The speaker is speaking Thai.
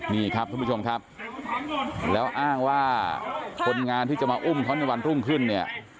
นี่ครับทุกผู้ชมครับแล้วอ้างว่าคนงานที่จะมาอุ้มเขาในวันรุ่งขึ้นเนี่ย